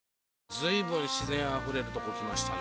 随分自然あふれるとこ来ましたね。